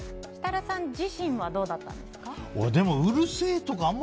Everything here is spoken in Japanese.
設楽さん自身はどうだったんですか。